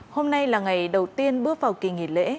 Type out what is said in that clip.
hôm nay là ngày đầu tiên bước vào kỳ nghỉ lễ